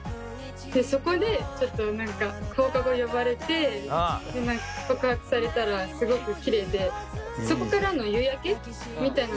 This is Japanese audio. そこでちょっと何か放課後呼ばれて告白されたらすごくきれいでそこからの夕焼けみたいなのも。